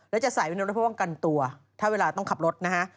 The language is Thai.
แล้วจะใส่วินรถเพื่อป้องกันตัวถ้าเวลาต้องขับรถนะฮะ